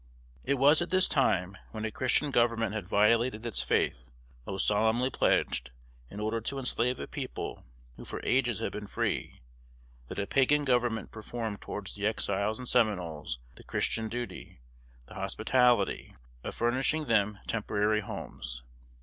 It was at this time, when a Christian government had violated its faith, most solemnly pledged, in order to enslave a people who for ages had been free, that a Pagan government performed towards the Exiles and Seminoles the Christian duty, the hospitality, of furnishing them temporary homes.